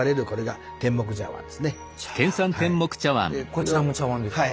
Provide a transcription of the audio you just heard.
こちらも茶碗ですか？